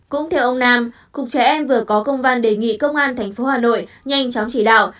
cũng theo ông nam cục trẻ em vừa có công văn đề nghị công an tp hà nội nhanh chóng chỉ đạo